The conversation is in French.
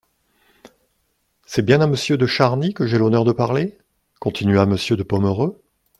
C'est bien à monsieur de Charny que j'ai l'honneur de parler ? continua Monsieur de Pomereux.